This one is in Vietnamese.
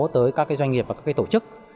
tới các doanh nghiệp và các tổ chức